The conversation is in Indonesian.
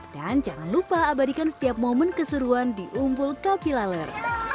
dan jangan lupa abadikan setiap momen keseruan di umbul kapilaler